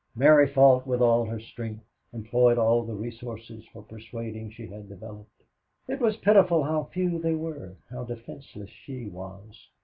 Mary fought with all her strength, employed all the resources for persuading she had developed. It was pitiful how few they were, how defenseless she was.